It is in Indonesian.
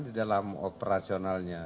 di dalam operasionalnya